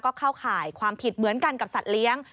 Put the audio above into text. ก็เข้าข่ายความผิดเหมือนกันกับสัตว์เลี้ยง